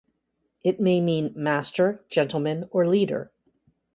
It may mean master, gentleman or leader.